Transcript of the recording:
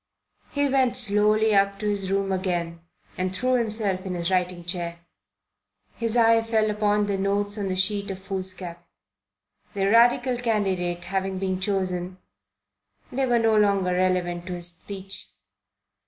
He went slowly up to his room again and threw himself in his writing chair. His eye fell upon the notes on the sheet of foolscap. The Radical candidate having been chosen, they were no longer relevant to his speech.